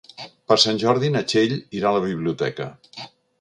Per Sant Jordi na Txell irà a la biblioteca.